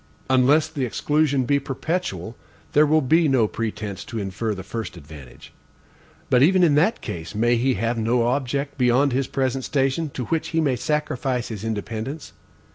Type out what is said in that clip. Unless the exclusion be perpetual, there will be no pretense to infer the first advantage. But even in that case, may he have no object beyond his present station, to which he may sacrifice his independence?